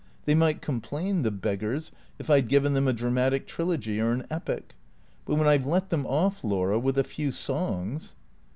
They might complain, the beggars, if I 'd given them a dramatic trilogy or an epic. But when I 've let them off, Laura, with a few songs